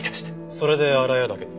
それで荒谷岳に？